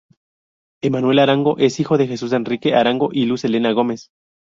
Emmanuel Arango es hijo de Jesús Enrique Arango y Luz Elena Gómez.